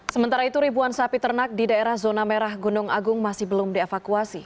sementara itu ribuan sapi ternak di daerah zona merah gunung agung masih belum dievakuasi